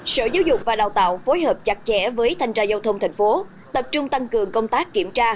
sở giáo dục và đào tạo phối hợp chặt chẽ với thanh tra giao thông thành phố tập trung tăng cường công tác kiểm tra